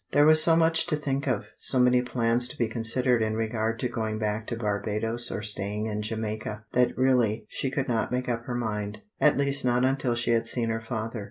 There was so much to think of, so many plans to be considered in regard to going back to Barbadoes or staying in Jamaica, that really she could not make up her mind, at least not until she had seen her father.